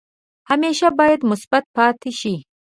همیشه باید مثبت پاتې شئ.